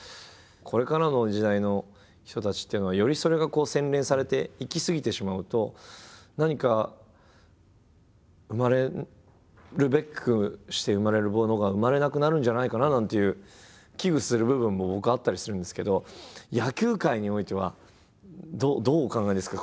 これからの時代の人たちっていうのはよりそれが洗練されていき過ぎてしまうと何か生まれるべくして生まれるものが生まれなくなるんじゃないかななんていう危惧する部分も僕はあったりするんですけど野球界においてはどうお考えですか？